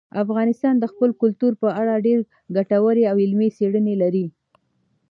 افغانستان د خپل کلتور په اړه ډېرې ګټورې او علمي څېړنې لري.